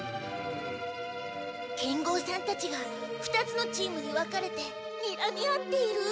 剣豪さんたちが２つのチームに分かれてにらみ合っている！